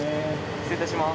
失礼いたします。